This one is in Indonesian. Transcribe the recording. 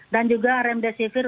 dan juga remdesivir